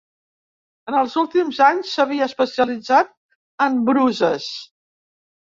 En els últims anys s'havia especialitzat en bruses.